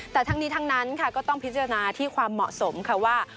แต่ทั้งนี้ทั้งนั้นค่ะก็ต้องพิจารณาที่ความเหมาะสมค่ะว่า